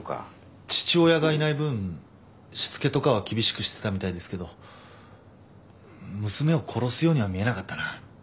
父親がいない分しつけとかは厳しくしてたみたいですけど娘を殺すようには見えなかったな。